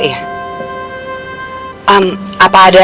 tapi aku liat kayaknya mas gak percaya ya